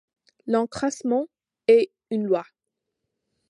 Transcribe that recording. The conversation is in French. L’écrasement est une loi.